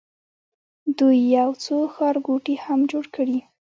دوی یو څو ښارګوټي هم جوړ کړي.